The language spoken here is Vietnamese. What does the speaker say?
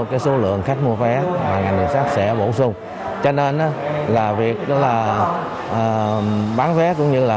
cái số lượng khách mua vé và ngành đường sắt sẽ bổ sung cho nên là việc đó là bán vé cũng như là